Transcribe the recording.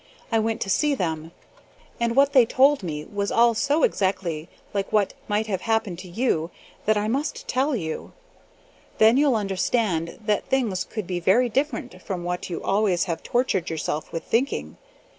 I went to see them, and what they told me was all so exactly like what might have happened to you that I must tell you. Then you'll understand that things could be very different from what you always have tortured yourself with thinking.